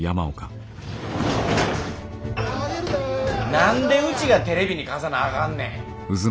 何でうちがテレビに貸さなあかんねん。